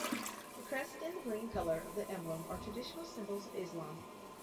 The crest and the green colour of the emblem are traditional symbols of Islam.